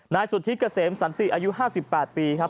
นายสุธิเกษมสันติอายุ๕๘ปีครับ